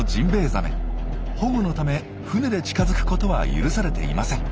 保護のため船で近づくことは許されていません。